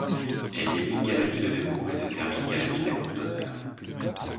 Elle débute galerie de Nemours et se termine galerie de la Cour-d'Honneur.